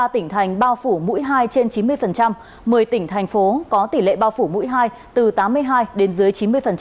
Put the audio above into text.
ba mươi tỉnh thành bao phủ mũi hai trên chín mươi một mươi tỉnh thành phố có tỷ lệ bao phủ mũi hai từ tám mươi hai đến dưới chín mươi